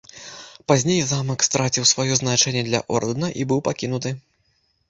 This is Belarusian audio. Пазней замак страціў сваё значэнне для ордэна і быў пакінуты.